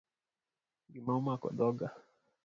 Gima omako dhoga